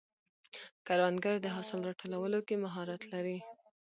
کروندګر د حاصل راټولولو کې مهارت لري